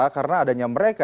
karena adanya mereka